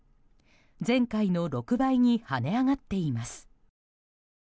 前回の６倍に跳ね上がっています。